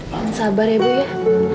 mohon sabar ya bu ya